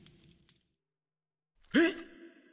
えっ？